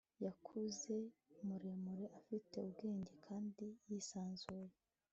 yakuze muremure, afite ubwenge, kandi yisanzuye